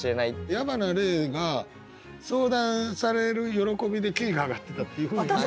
矢花黎が相談される喜びでキーが上がってたっていうふうにね。